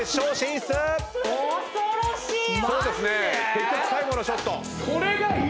結局最後のショット。